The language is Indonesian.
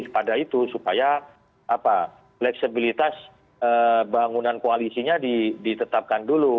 pada itu supaya fleksibilitas bangunan koalisinya ditetapkan dulu